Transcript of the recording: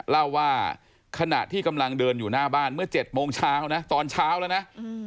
เล่าว่าขณะที่กำลังเดินอยู่หน้าบ้านเมื่อ๗โมงเช้านะตอนเช้าแล้วนะ